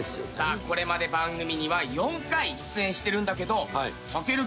これまで番組には４回出演してるんだけど丈琉君。